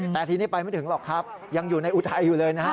แต่ทีนี้ไปไม่ถึงหรอกครับยังอยู่ในอุทัยอยู่เลยนะฮะ